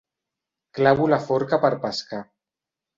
Clavo la forca per pescar.